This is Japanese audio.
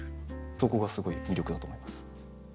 そこがすごい魅力だと思います。